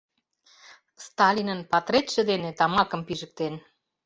Сталинын патретше дене тамакым пижыктен».